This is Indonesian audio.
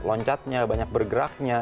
loncatnya banyak bergeraknya